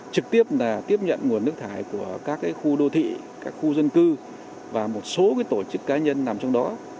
trực tiếp là tiếp nhận nguồn nước thải của các khu đô thị các khu dân cư và một số tổ chức cá nhân nằm trong đó